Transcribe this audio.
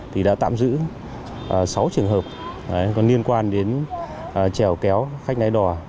thì đã tạm giữ sáu trường hợp liên quan đến treo kéo khách ngay đò